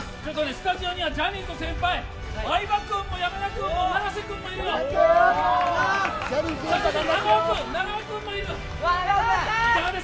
スタジオにはジャニーズの先輩、相葉君も山田君も永瀬君もいるよ、長尾君もいる。